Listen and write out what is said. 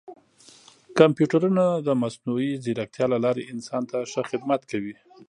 کمپیوټرونه د مصنوعي ځیرکتیا له لارې انسان ته ښه خدمت کوي.